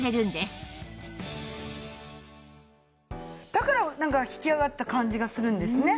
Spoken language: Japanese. だからなんか引き上がった感じがするんですね。